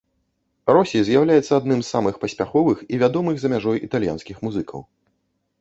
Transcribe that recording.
Росі з'яўляецца адным з самых паспяховых і вядомых за мяжой італьянскіх музыкаў.